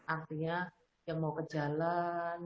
artinya yang mau ke jalan